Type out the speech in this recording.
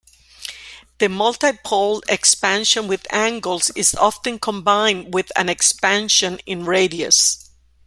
The multipole expansion with angles is often combined with an expansion in radius.